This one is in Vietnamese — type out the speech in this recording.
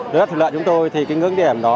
đối với thủy lợi chúng tôi thì cái ngưỡng điểm đó